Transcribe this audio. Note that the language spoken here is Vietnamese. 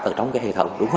ở trong hệ thống